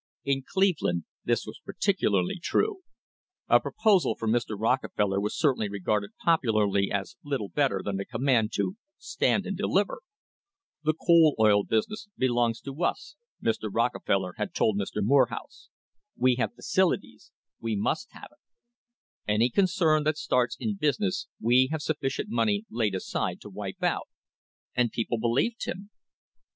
In Cleveland this was particularly true. A proposal from Mr. Rockefeller was certainly regarded popularly as little better than a com mand to "stand and deliver." "The coal oil business belongs [ 2 ° 2 ] STRENGTHENING THE FOUNDATIONS to us," Mr. Rockefeller had told Mr. Morehouse. "We have facilities; we must have it. Any concern that starts in business we have sufficient money laid aside to wipe out"* — and peo ple believed him!